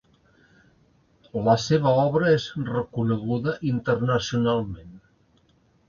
La seva obra és reconeguda internacionalment.